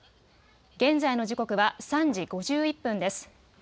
現在の時刻は３時５１分です。